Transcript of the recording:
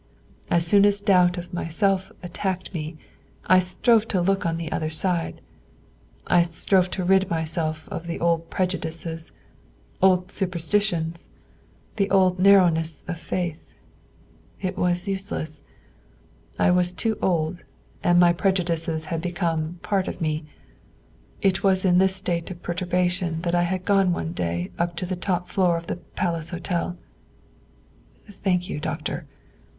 As soon as doubt of myself attacked me, I strove to look on the other side; I strove to rid myself of the old prejudices, the old superstitions, the old narrowness of faith; it was useless, I was too old, and my prejudices had become part of me. It was in this state of perturbation that I had gone one day up to the top floor of the Palace Hotel. Thank you, Doctor."